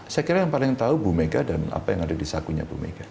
saya kira yang paling tahu bu mega dan apa yang ada di sakunya bu mega